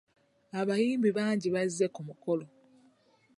Abayimbi bangi bazze ku mukolo.